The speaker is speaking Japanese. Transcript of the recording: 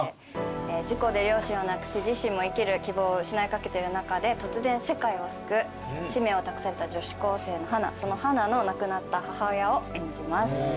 事故で両親を亡くし自身も生きる希望を失いかけてる中で突然世界を救う使命を託された女子高生のハナそのハナの亡くなった母親を演じます。